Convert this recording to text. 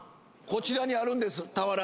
こちらにあるんです